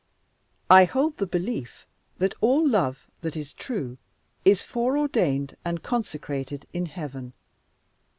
"I hold the belief that all love that is true is foreordained and consecrated in heaven.